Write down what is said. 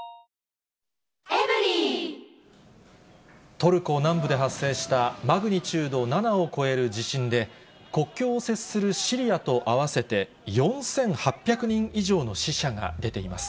トルコ南部で発生したマグニチュード７を超える地震で、国境を接するシリアと合わせて４８００人以上の死者が出ています。